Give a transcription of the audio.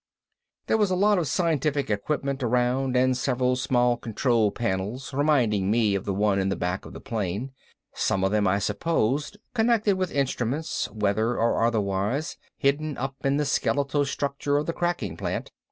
There was a lot of scientific equipment around and several small control panels reminding me of the one in the back of the plane. Some of them, I supposed, connected with instruments, weather and otherwise, hidden up in the skeletal structure of the cracking plant.